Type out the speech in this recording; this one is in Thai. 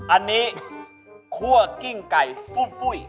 อันนี้คั่วกิ้งไก่ฟุ่มปุ้ย